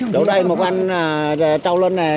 chỗ đây một anh trâu lên này